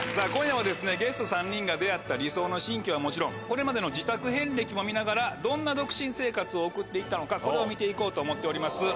今夜はゲスト３人が出合った理想の新居はもちろんこれまでの自宅遍歴も見ながらどんな独身生活を送って行ったのかこれを見て行こうと思っております。